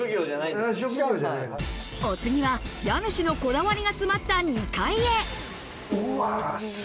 お次は家主のこだわりが詰まった２階へ。